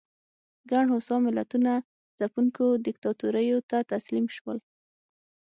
ګڼ هوسا ملتونه ځپونکو دیکتاتوریو ته تسلیم شول.